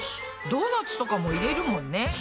ドーナツとかも入れるもんね。